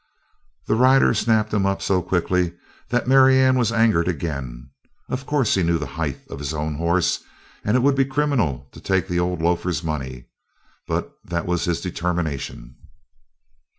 The rider snapped him up so quickly that Marianne was angered again. Of course he knew the height of his own horse and it would be criminal to take the old loafer's money, but that was his determination.